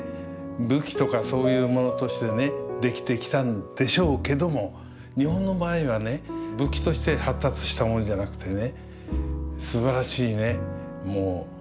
武器とかそういうものとしてね出来てきたんでしょうけども日本の場合はね武器として発達したものじゃなくてね